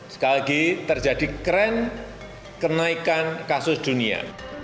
sekali lagi terjadi tren kenaikan kasus dunia